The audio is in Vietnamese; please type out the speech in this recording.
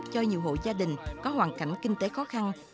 cho nhiều hộ gia đình có hoàn cảnh kinh tế khó khăn